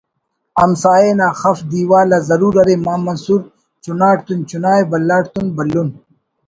ہمسائے نا خف دیوال آ ضرور ارے مان منصور چناڑتون چناءِ بھلا ڑ تون بھلن